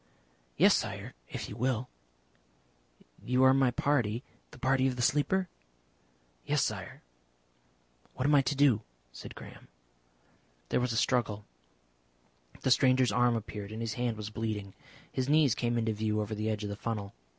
"Yes, Sire. If you will." "You are my party the party of the Sleeper?" "Yes, Sire." "What am I to do?" said Graham. There was a struggle. The stranger's arm appeared, and his hand was bleeding. His knees came into view over the edge of the funnel.